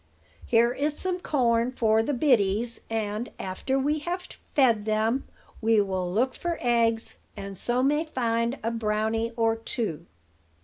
Here is some corn for the biddies; and, after we have fed them, we will look for eggs, and so may find a brownie or two."